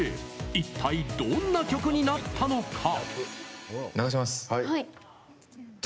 一体どんな曲になったのか。